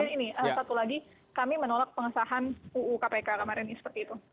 kemudian ini satu lagi kami menolak pengesahan ruu kpk kemarin seperti itu